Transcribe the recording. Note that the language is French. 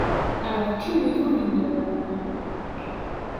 Alors que me vaut l’honneur…